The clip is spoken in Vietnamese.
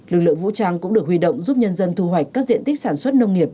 lực lượng vũ trang cũng được huy động giúp nhân dân thu hoạch các diện tích sản xuất nông nghiệp